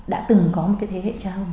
đã từng có một cái thế hệ cha hồng